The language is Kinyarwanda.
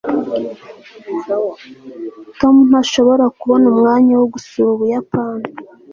tom ntashobora kubona umwanya wo gusura ubuyapani